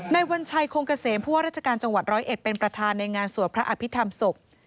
วัญชัยคงเกษมผู้ว่าราชการจังหวัดร้อยเอ็ดเป็นประธานในงานสวดพระอภิษฐรรมศพ